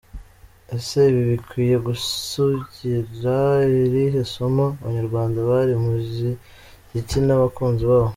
Ese ibi bikwiye gusigira irihe somo abanyarwanda bari mu muziki n’abakunzi bawo?.